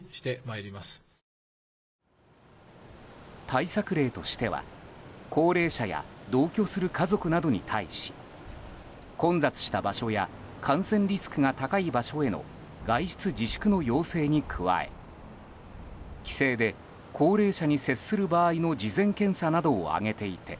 対策例としては、高齢者や同居する家族などに対し混雑した場所や感染リスクが高い場所への外出自粛の要請に加え帰省で高齢者に接する場合の事前検査などを挙げていて